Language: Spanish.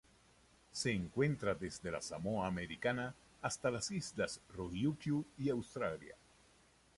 Se encuentra desde la Samoa Americana hasta las Islas Ryukyu y Australia.